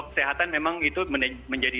kesehatan memang itu menjadi